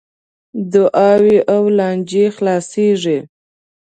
دعاوې او لانجې خلاصیږي .